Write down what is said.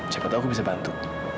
siapa tahu aku bisa bantu